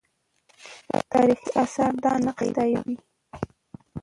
تاریخي آثار دا نقش تاییدوي.